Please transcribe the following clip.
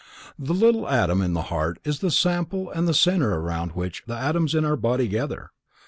The little atom in the heart is the sample and the center around which the atoms in our body gather.